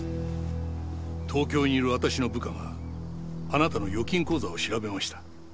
東京にいる私の部下があなたの預金口座を調べました。